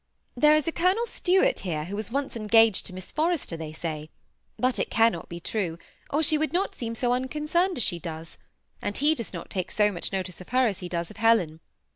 There is a Colonel Stuart here, who was once engaged to Miss Forrester, they say ; but it cannot be true, or she would not seem so unconcerned as she does ; and he does not take so much notice of her as he does of Helen.